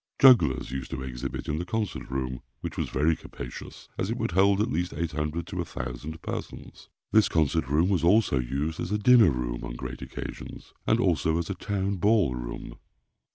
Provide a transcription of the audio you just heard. Jugglers used to exhibit in the concert room, which was very capacious, as it would hold at least 800 to 1000 persons. This concert room was also used as a dinner room on great occasions, and also as a town ball room.